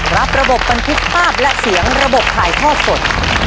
ระบบบันทึกภาพและเสียงระบบถ่ายทอดสด